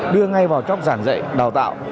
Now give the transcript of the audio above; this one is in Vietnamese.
đưa ngay vào tróc giản dạy đào tạo